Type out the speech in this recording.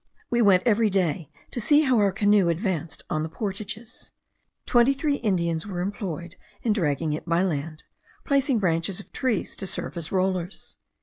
We went every day to see how our canoe advanced on the portages. Twenty three Indians were employed in dragging it by land, placing branches of trees to serve as rollers.